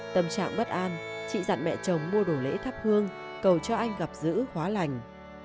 tâm trạng bất an chị dặn mẹ chồng mua đồ lễ thắp hương cầu cho anh gặp giữ hóa lành